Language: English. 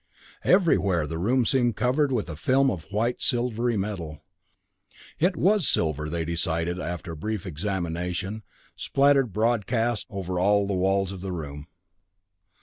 Everywhere the room seemed covered with a film of white silvery metal; it was silver, they decided after a brief examination, spattered broadcast over the walls of the room.